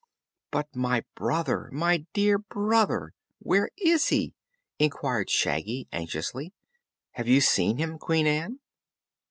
"But my brother my dear brother! Where is he?" inquired Shaggy anxiously. "Have you seen him, Queen Ann?"